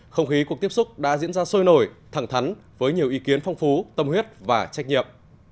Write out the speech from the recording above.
không khí cuộc tiếp xúc đã diễn ra sôi nổi thẳng thắn với nhiều ý kiến phong phú tâm huyết và trách nhiệm